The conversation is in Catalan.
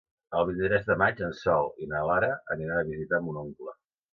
El vint-i-tres de maig en Sol i na Lara aniran a visitar mon oncle.